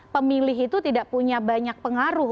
pemilih itu tidak punya banyak pengaruh